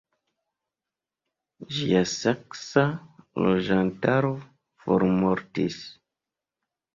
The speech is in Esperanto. Ĝia saksa loĝantaro formortis.